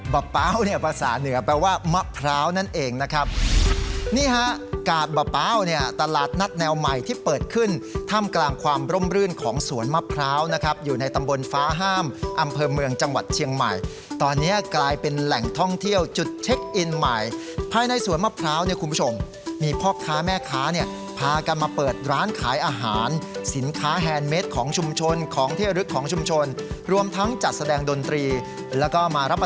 บะเป้าเนี่ยภาษาเหนือแปลว่ามะพร้าวนั่นเองนะครับนี่ฮะกาดบะเป้าเนี่ยตลาดนัดแนวใหม่ที่เปิดขึ้นท่ามกลางความร่มรื่นของสวนมะพร้าวนะครับอยู่ในตำบลฟ้าห้ามอำเภอเมืองจังหวัดเชียงใหม่ตอนนี้กลายเป็นแหล่งท่องเที่ยวจุดเทคอินใหม่ภายในสวนมะพร้าวเนี่ยคุณผู้ชมมีพ่อค้าแม